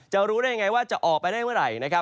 จะรู้ได้ยังไงว่าจะออกไปได้เมื่อไหร่